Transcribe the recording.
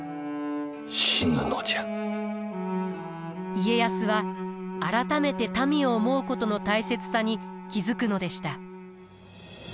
家康は改めて民を思うことの大切さに気付くのでした。